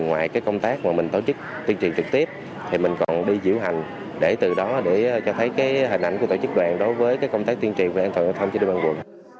ngoài công tác mà mình tổ chức tuyên truyền trực tiếp thì mình còn đi diễu hành để từ đó để cho thấy hình ảnh của tổ chức đoàn đối với công tác tuyên truyền về an toàn giao thông trên địa bàn quận